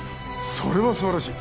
それは素晴らしい！